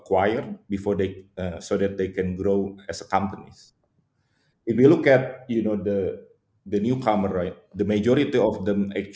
keberuntungan atau hanya secara oportunistik maksudnya kita adalah teman